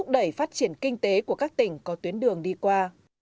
để phát triển kinh tế của các tỉnh có tuyến đường đi qua